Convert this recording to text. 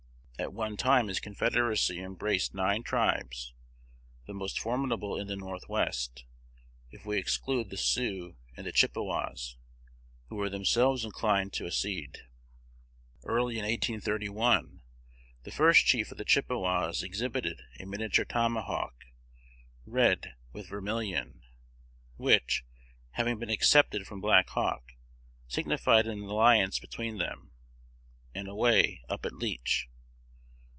At one time his confederacy embraced nine tribes, the most formidable in the North west, if we exclude the Sioux and the Chippewas, who were themselves inclined to accede. Early in 1831, the first chief of the Chippewas exhibited a miniature tomahawk, red with vermilion, which, having been accepted from Black Hawk, signified an alliance between them; and away up at Leech.